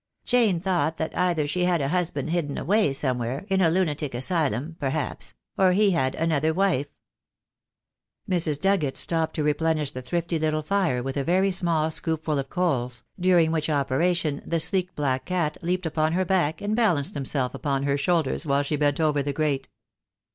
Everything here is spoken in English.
Jane thought that either she had a hus band hidden away somewhere — in a lunatic asylum, per haps— or he had another wife." Mrs. Dugget stopped to replenish the thrifty little fire with a very small scoop fill of coals, during which opera tion the sleek black cat leaped upon her back and 76 THE DAY WILL COME. balanced himself upon her shoulders while she bent over the grate.